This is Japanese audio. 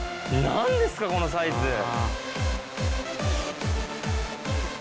何ですかこのサイズ！